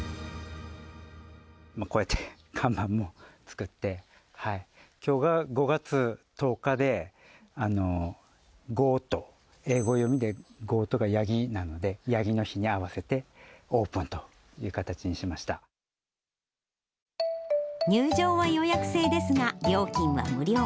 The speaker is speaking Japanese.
こうやって看板も作って、きょうが５月１０日で、ゴート、英語読みでゴートがヤギなので、ヤギの日に合わせてオープンとい入場は予約制ですが、料金は無料。